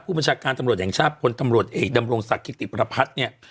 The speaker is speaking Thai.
บัญชาการตำรวจแห่งชาติพลตำรวจเอกดำรงศักดิติประพัฒน์เนี่ย